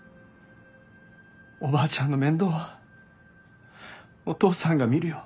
おばあちゃんの面倒はお父さんが見るよ」。